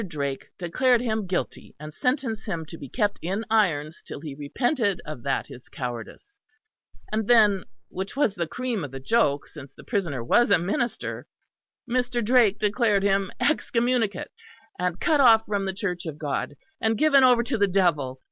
Drake declared him guilty; and sentenced him to be kept in irons till he repented of that his cowardice; and then, which was the cream of the joke, since the prisoner was a minister, Mr. Drake declared him excommunicate, and cut off from the Church of God, and given over to the devil.